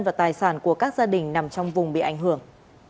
và tài sản của các gia đình nằm trong vùng bị ảnh hưởng